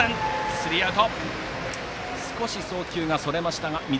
スリーアウト。